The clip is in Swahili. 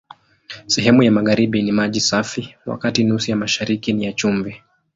Sehemu ya magharibi ni maji safi, wakati nusu ya mashariki ni ya chumvi.